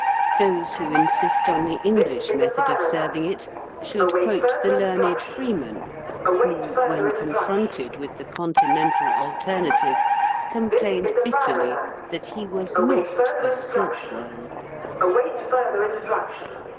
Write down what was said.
Those who insist on the English method of serving it should quote the learned Freeman, who, when confronted with the Continental alternative, complained bitterly that he was not a silkworm!